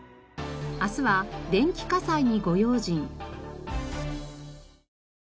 明日は電気火災にご用心。